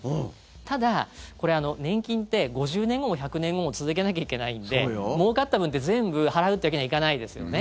ただ、年金って５０年後も１００年後も続けなきゃいけないんでもうかった分って、全部払うってわけにいかないですよね。